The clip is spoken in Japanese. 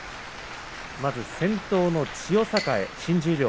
まず先頭の千代栄、新十両。